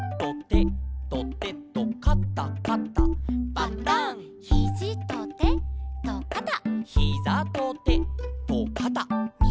「パタン」「ヒジとてとかた」